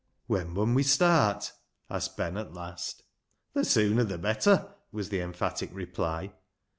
" When mun we start ?" asked Ben at last. "The sewner the better," was the emphatic reply.